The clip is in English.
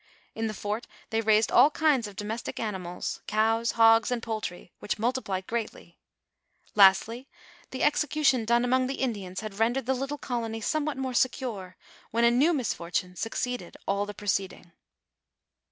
In the fort they raised all iiiads of domestic animals, cows, hogs, and poultry, which multiplied greaii_y. Lastly, the execution done among the Indians had rendered the little colony somewhat more se cure, when a new misfortune succeeded all the preceding.